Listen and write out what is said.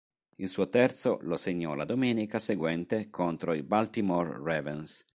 Il suo terzo lo segnò la domenica seguente contro i Baltimore Ravens.